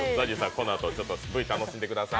このあとＶ楽しんでください。